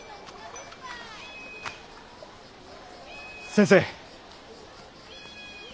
先生。